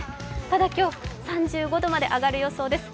ただ今日、３５度まで上がる予想です